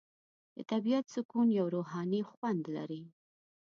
د طبیعت سکون یو روحاني خوند لري.